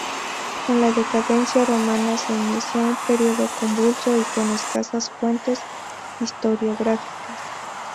Con la decadencia romana se inicia un periodo convulso y con escasas fuentes historiográficas.